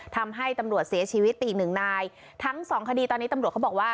ทำให้ตำรวจเสียชีวิตไปอีกหนึ่งนายทั้งสองคดีตอนนี้ตำรวจเขาบอกว่า